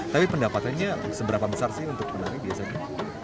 tapi pendapatannya seberapa besar sih untuk penari biasanya